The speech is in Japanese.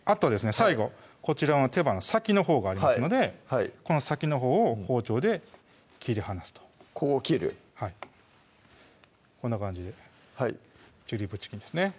最後こちらの手羽の先のほうがありますのでこの先のほうを包丁で切り離すとこう切るはいこんな感じで「チューリップチキン」ですね